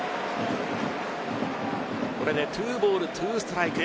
これで２ボール２ストライク。